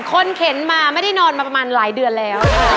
เข็นมาไม่ได้นอนมาประมาณหลายเดือนแล้ว